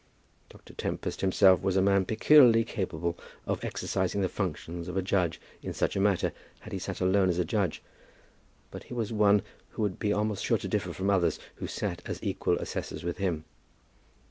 Dr. Tempest himself was a man peculiarly capable of exercising the functions of a judge in such a matter, had he sat alone as a judge; but he was one who would be almost sure to differ from others who sat as equal assessors with him.